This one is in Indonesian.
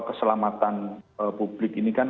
keselamatan publik ini kan